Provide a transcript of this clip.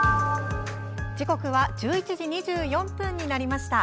時刻は１１時２４分になりました。